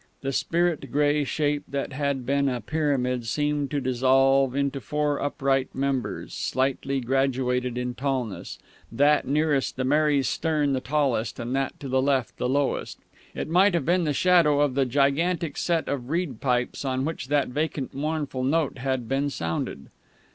The spirit grey shape that had been a pyramid seemed to dissolve into four upright members, slightly graduated in tallness, that nearest the Mary's stern the tallest and that to the left the lowest. It might have been the shadow of the gigantic set of reed pipes on which that vacant mournful note had been sounded.